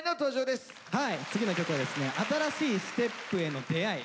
次の曲は新しいステップへの出会い。